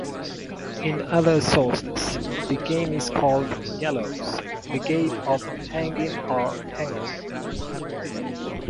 In other sources, the game is called "Gallows", "The Game of Hangin", or "Hanger".